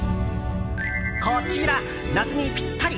こちら、夏にぴったり！